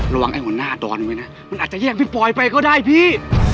ไอ้หัวหน้าดอนไว้นะมันอาจจะแยกพี่ปอยไปก็ได้พี่